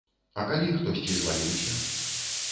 А калі хтосьці зваліўся?